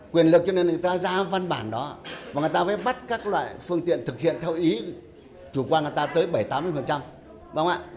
quyền lực cho nên người ta ra văn bản đó và người ta phải bắt các loại phương tiện thực hiện theo ý chủ quan người ta tới bảy mươi tám mươi